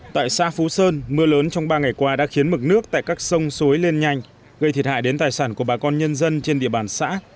tại xã phú sơn mưa lớn trong ba ngày qua đã khiến mực nước tại các sông xối lên nhanh gây thiệt hại đến tài sản của bà con nhân dân trên địa bàn xã